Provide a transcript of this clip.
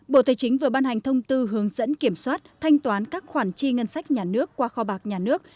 bộ tài chính vừa ban hành thông tư hướng dẫn kiểm soát thanh toán các khoản chi ngân sách nhà nước qua kho bạc nhà nước